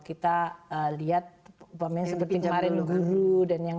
kita lihat seperti kumarin guru dan yang